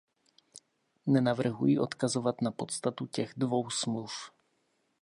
Nenavrhuji odkazovat na podstatu těch dvou smluv.